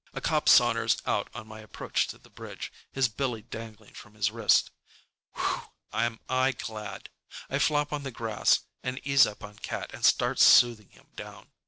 A cop saunters out on my approach to the bridge, his billy dangling from his wrist. Whew—am I glad! I flop on the grass and ease up on Cat and start soothing him down.